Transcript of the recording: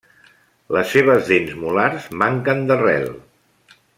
Les seves dents molars manquen d'arrel.